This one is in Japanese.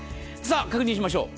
確認しましょう。